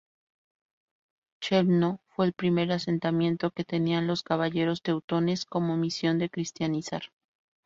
Chełmno fue el primer asentamiento que tenían los "Caballeros Teutones" como misión de cristianizar.